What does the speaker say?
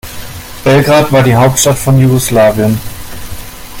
Belgrad war die Hauptstadt von Jugoslawien.